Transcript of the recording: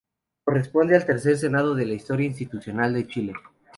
Corresponde al tercer senado de la historia institucional de Chile.